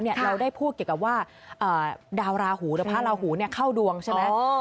เราได้พูดเกี่ยวกับว่าดาวราหูหรือพระราหูเข้าดวงใช่ไหม